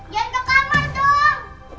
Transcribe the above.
jangan ke kamar dong